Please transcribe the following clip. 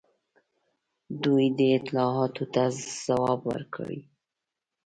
دوی دې اطلاعاتو ته ځواب ورکوي.